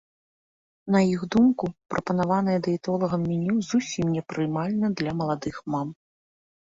На іх думку, прапанаванае дыетолагам меню зусім не прымальна для маладых мам.